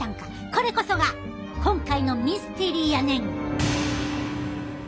これこそが今回のミステリーやねん！